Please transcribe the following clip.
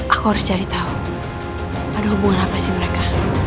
aku harus cari tahu ada hubungan apa sih mereka